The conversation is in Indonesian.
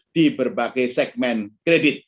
di berbagai segmen kredit